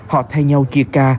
họ thay nhau chia ca